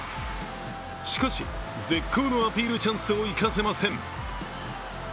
しかし、絶好のアピールチャンスを生かせません。